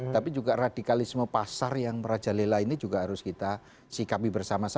tapi juga radikalisme pasar yang merajalela ini juga harus kita sikapi bersama sama